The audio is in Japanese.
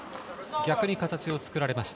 逆に形を作られました。